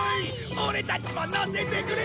オレたちも乗せてくれ！